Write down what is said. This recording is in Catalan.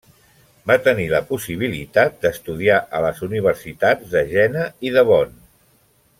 Va tenir la possibilitat d'estudiar a les universitats de Jena i de Bonn.